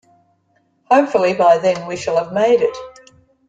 Hopefully, by then we shall have made it.